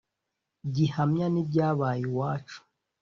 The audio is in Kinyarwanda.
gihamya ni ibyabaye iwacu.